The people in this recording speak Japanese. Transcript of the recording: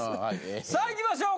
さあいきましょう。